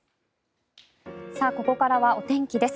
ここからはお天気です。